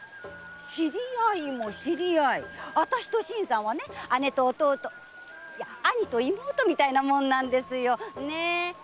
知り合いも知り合い私と新さんはね姉と弟いや兄と妹みたいなものですよねぇ？